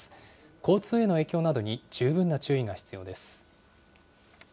交通への影響などに十分な注意が必要です。